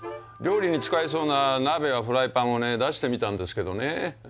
料理に使えそうな鍋やフライパンをね出してみたんですけどね。